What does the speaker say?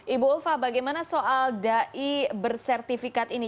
ibu ulfa bagaimana soal dai bersertifikat ini